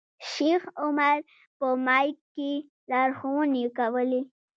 شیخ عمر په مایک کې لارښوونې کولې.